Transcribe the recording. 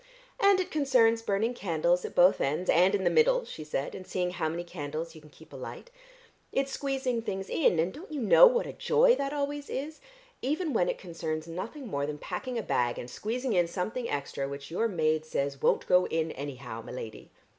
"And it concerns burning candles at both ends and in the middle," she said, "and seeing how many candles you can keep alight. It's squeezing things in, and don't you know what a joy that always is, even when it concerns nothing more than packing a bag and squeezing in something extra which your maid says won't go in anyhow, my lady?"